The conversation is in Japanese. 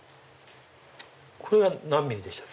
これは何ｍｍですか？